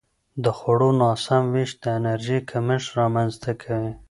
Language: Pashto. د خوړو ناسم وېش د انرژي کمښت رامنځته کوي.